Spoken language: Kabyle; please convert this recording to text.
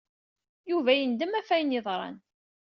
Yuba yendem ɣef wayen yeḍran.